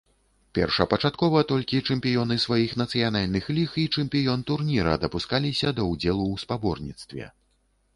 Першапачаткова толькі чэмпіёны сваіх нацыянальных ліг і чэмпіён турніра дапускаліся да ўдзелу ў спаборніцтве.